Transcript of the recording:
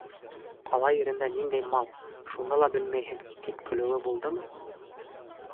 Ҡала ерендә ниндәй мал, шуны ла белмәйһең, тип көлөүе булдымы?